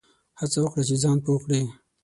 هڅه وکړه چي ځان پوه کړې !